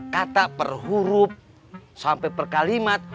kata per huruf sampai per kalimat